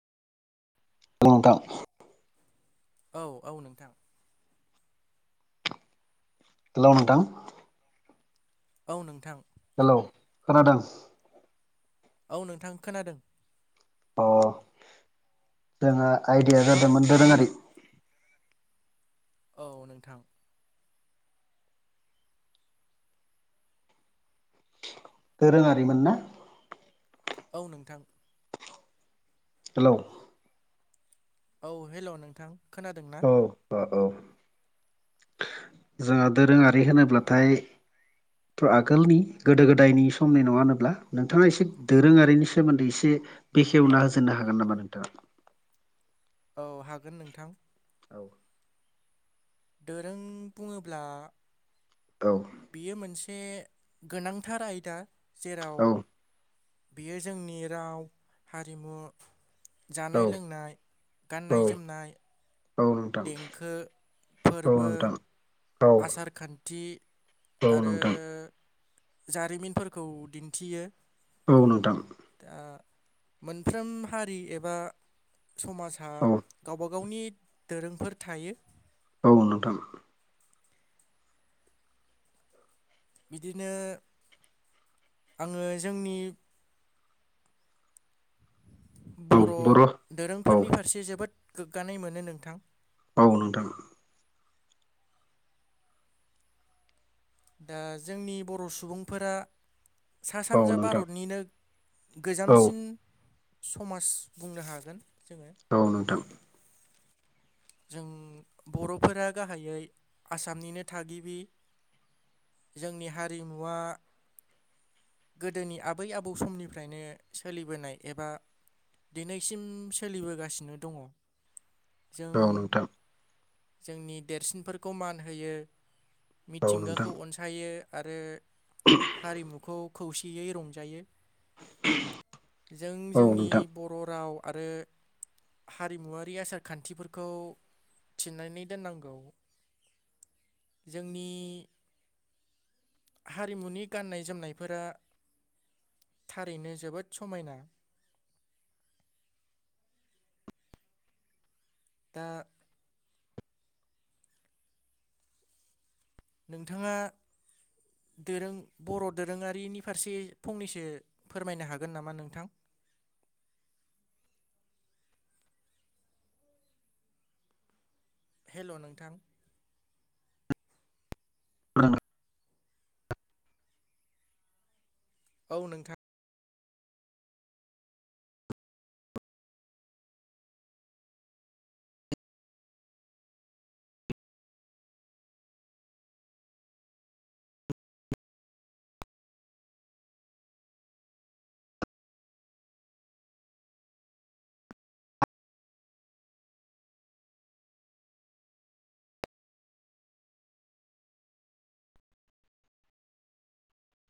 बुं नोंथां। औ औ नोंथां। हेल' नोंथां। औ नोंथां। हेल' खोनादों? औ नोंथां खोनादों। अ' जोंहा आयदाया जादोंमोन दोरोङारि। औ नोंथां। दोरोङारिमोन ना? औ नोंथां। हेलौ औ हेल' नोंथां खोनादों। औ औ जोंहा दोरोङारि होनोब्लाथाय आगोलनि गोदो गोदायनि समनि नङा होनोब्ला नोंथाङा एसे दोरोङारिनि सोमोन्दै एसे बेखेवना होजेननो हागोन नामा नोंथाङा? औ हागोन नोंथां। औ दोरों बुङोब्ला औ बियो मोनसे गोनांथार आयदा औ जेराव बेयो जोंनि राव हारिमु औ जानाय लोंनाय, गाननाय औ जोमनाय औ नोंथां देंखो, औ फोरबो नोंथां औ आसार खान्थि औ आरो नोंथां जारिमिनफोरखौ दिन्थियो। औ नोंथां। दा मोनफ्रोम हारि एबा समाजा औ गावबा गावनि दोरोंफोर थायो। औ नोंथां। बिदिनो आङो जोंनि बर' औ दोरोंफोरनि फारसे जोबोद गोगगानाय मोनो नोंथां। औ नोंथां। दा जोंनि बर' सुबुंफोरा सा औ सानजा नोंथां भारतनिनो औ गोजामसिन समाज बुंनो हागोन जोङो औ नोंथां जों बर'फोरा गाहायै आसामनिनो थागिबि जोंनि हारिमुवा गोदोनि आबै आबौ समनिफ्रायनो सोलिबोनाय एबा दिनैसिम सोलिबोगासिनो दङ। जों औ नोंथां जोंनि देरसिनफोरखौ मान होयो। औ नोंथां मिथिंगाखौ अनसायो आरो हारिमुखौ खौसेयै रंजायो। जों औ जोंनि नोंथां बर' राव आरो हारिमुवारि आसार खान्थिफोर खौ थिन्नानै दोननांगौ। जोंनि हारिमुनि गाननाय जोमनायफोरा थारैनो जोबोद समायना दा नोंथाङा दोरों बर' दोरोङारिनि फारसे फंनैसो फोरमायनो हागोन नामा नोंथां हेल' नोंथां [unintelligible] औ नोंथां